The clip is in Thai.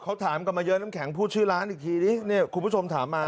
เขาถามกันมาเยอะน้ำแข็งพูดชื่อร้านอีกทีดิเนี่ยคุณผู้ชมถามมา